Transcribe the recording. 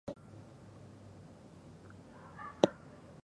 小学生には用のない場所。そこで僕らは何をしていたんだ。